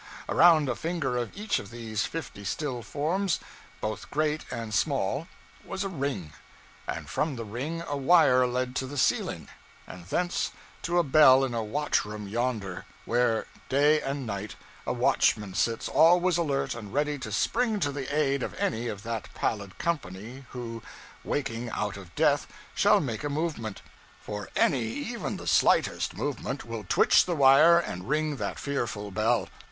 Around a finger of each of these fifty still forms, both great and small, was a ring; and from the ring a wire led to the ceiling, and thence to a bell in a watch room yonder, where, day and night, a watchman sits always alert and ready to spring to the aid of any of that pallid company who, waking out of death, shall make a movement for any, even the slightest, movement will twitch the wire and ring that fearful bell.